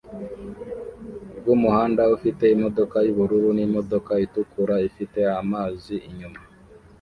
rwumuhanda ufite imodoka yubururu n'imodoka itukura ifite amazi inyuma